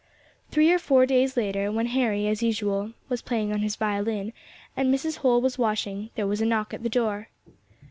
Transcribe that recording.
Three or four days later, when Harry, as usual, was playing on his violin, and Mrs. Holl was washing, there was a knock at the door.